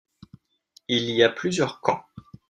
Il y a plusieurs camps.